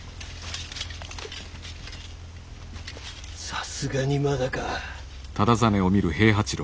さすがにまだか。